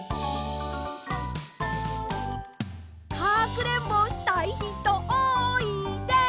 「かくれんぼしたい人おいで」